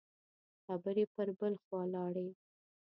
خبرې پر بل خوا لاړې.